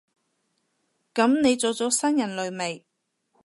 噉你做咗新人類未？